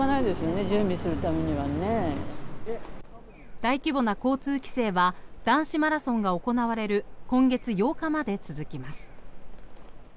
大規模な交通規制は男子マラソンが行われる今月８日まで続きます。